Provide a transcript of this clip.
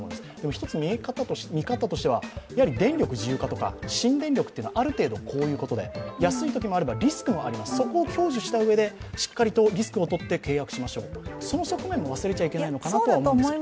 １つ見方としては電力自由化とか新電力というのはある程度こういうことで、安いときもあればリスクもあります、そこを享受したうえでしっかりとリスクをとって契約しましょう、その側面も忘れちゃいけないのかなとは思います。